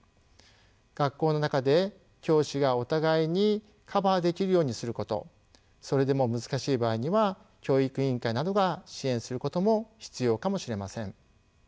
学校の中で教師がお互いにカバーできるようにすることそれでも難しい場合には教育委員会などが支援することも必要かもしれません。